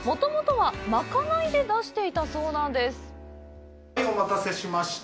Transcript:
はい、お待たせしました。